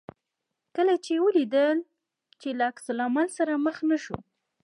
کله چې یې ولیدل چې له عکس العمل سره مخ نه شو.